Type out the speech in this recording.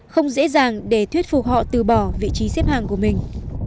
không dễ dàng để thuyết phục họ từ bỏ vị trí xếp hàng của mình